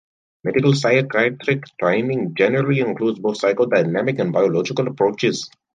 Medical psychiatric training generally includes both psychodynamic and biological approaches.